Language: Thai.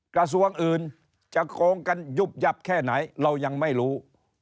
กระทรวงอื่นจะโกงกันยุบยับแค่ไหนเรายังไม่รู้